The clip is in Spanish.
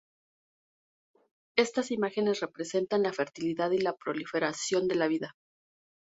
Estas imágenes representan la fertilidad y la proliferación de la vida.